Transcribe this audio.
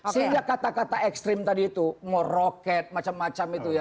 sehingga kata kata ekstrim tadi itu mau roket macam macam itu ya